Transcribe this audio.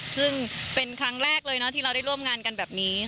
ซึ่งเป็นครั้งแรกเลยนะที่เราได้ร่วมงานกันแบบนี้